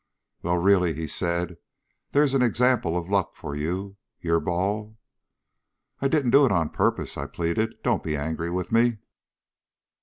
"Well, really," he said, "there's an example of luck for you. Your ball " "I didn't do it on purpose," I pleaded. "Don't be angry with me."